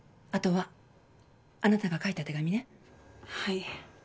はい。